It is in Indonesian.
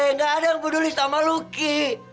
nggak ada yang peduli sama lu ki